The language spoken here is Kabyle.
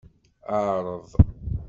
Ɛreḍ.